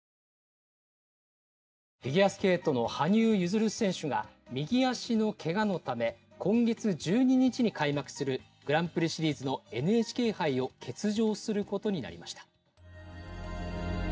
「フィギュアスケートの羽生結弦選手が右足のけがのため今月１２日に開幕するグランプリシリーズのＮＨＫ杯を欠場することになりました」。